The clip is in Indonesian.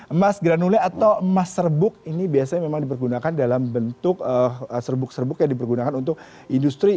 emas granule atau emas serbuk ini biasanya memang dipergunakan dalam bentuk serbuk serbuk yang dipergunakan untuk industri